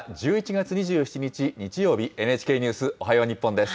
１１月２７日日曜日、ＮＨＫニュースおはよう日本です。